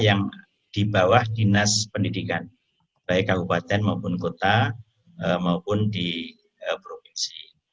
yang di bawah dinas pendidikan baik kabupaten maupun kota maupun di provinsi